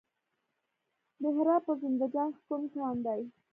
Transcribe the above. د هرات په زنده جان کې کوم کان دی؟